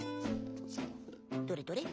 どれどれ。